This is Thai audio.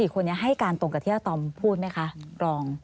๔คนนี้ให้การตรงกับที่อาตอมพูดไหมคะรอง